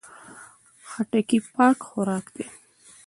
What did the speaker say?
خټکی پاک خوراک دی.